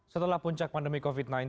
setelah puncak pandemi covid sembilan belas